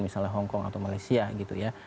misalnya hongkong atau malaysia gitu ya